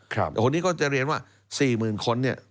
แต่ฝนนี้ก็จะเรียนว่า๔๐๐๐๐คน